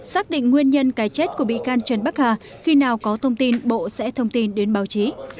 xác định nguyên nhân cái chết của bị can trần bắc hà khi nào có thông tin bộ sẽ thông tin đến báo chí